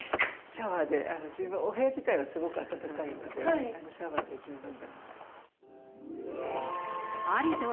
シャワーで十分、お部屋自体はすごく暖かいので、シャワーで十分だと。